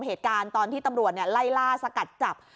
เหตุการณ์ตอนที่ตำรวจไล่ล่าสกัดจับ